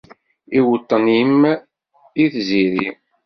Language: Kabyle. Iweṭṭen-im, i tziri!